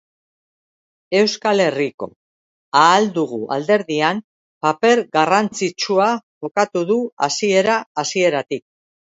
Euskal Herriko Ahal Dugu alderdian paper garrantzitsua jokatu du hasiera-hasieratik.